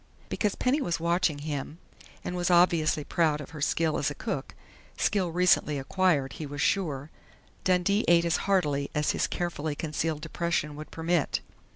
Because Penny was watching him and was obviously proud of her skill as a cook skill recently acquired, he was sure Dundee ate as heartily as his carefully concealed depression would permit.